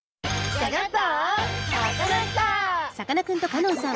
ギョギョッと！